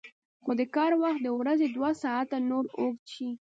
خو د کار وخت د ورځې دوه ساعته نور اوږد شي